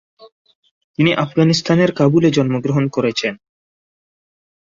তিনি আফগানিস্তানের কাবুলে জন্মগ্রহণ করেছেন।